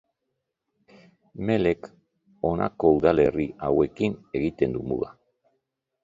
Melek honako udalerri hauekin egiten du muga.